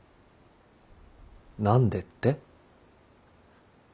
何でって？